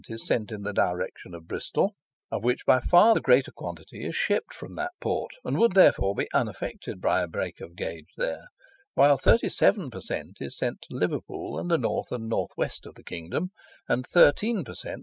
is sent in the direction of Bristol, of which by far the greater quantity is shipped from that port, and would therefore be unaffected by a break of gauge there; while 37 per cent. is sent to Liverpool and the north and north west of the kingdom, and 13 per cent.